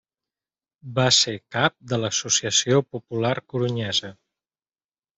Va ser cap de l'Associació Popular Corunyesa.